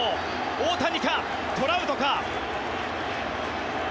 大谷か、トラウトか。